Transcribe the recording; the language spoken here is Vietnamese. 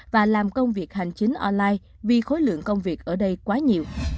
và làm công việc hành chính online vì khối lượng công việc ở đây quá nhiều